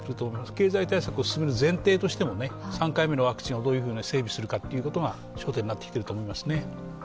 経済対策を進める前提としても３回目のワクチンをどういうふうに整備するかが焦点だと思いますね。